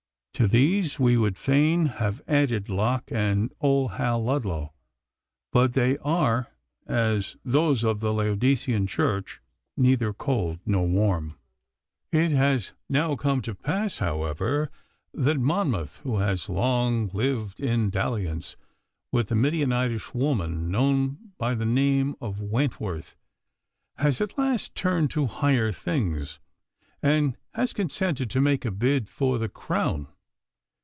To these we would fain have added Locke and old Hal Ludlow, but they are, as those of the Laodicean Church, neither cold nor warm. 'It has now come to pass, however, that Monmouth, who has long lived in dalliance with the Midianitish woman known by the name of Wentworth, has at last turned him to higher things, and has consented to make a bid for the crown.